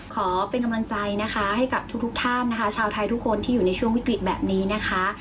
ขอเป็นกำลังใจนะคะให้กับทุกท่านนะคะชาวไทยทุกคนที่อยู่ในช่วงวิกฤตแบบนี้นะคะ